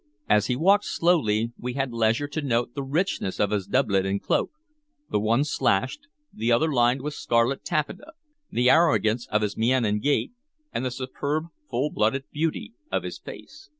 As he walked slowly, we had leisure to note the richness of his doublet and cloak, the one slashed, the other lined with scarlet taffeta, the arrogance of his mien and gait, and the superb full blooded beauty of his face.